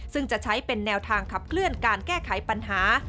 ซึ่งจะใช้เป็นแนวทางขับเคลื่อนการแก้ไขปัญหา